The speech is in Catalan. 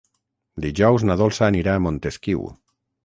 Dijous na Dolça anirà a Montesquiu.